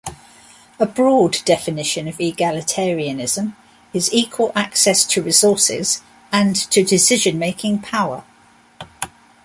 A broad definition of egalitarianism is equal access to resources and to decision-making power.